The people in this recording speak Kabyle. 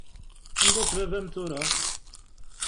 Anda-t baba-m tura?